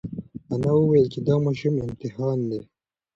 انا وویل چې دا ماشوم امتحان دی.